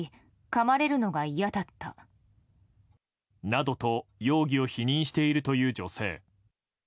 などと容疑を否認しているという女性。